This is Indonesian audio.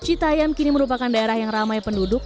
setu cittayam ini merupakan tempat yang ramai penduduk